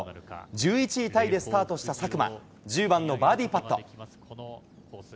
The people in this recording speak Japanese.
１１位タイでスタートした佐久間、１０番のバーディーパット。